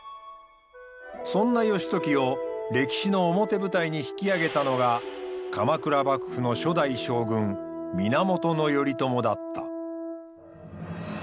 そんな義時を歴史の表舞台に引き上げたのが鎌倉幕府の初代将軍源頼朝だった。